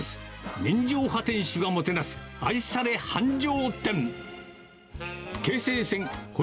人情派店主がもてなす愛され繁盛店。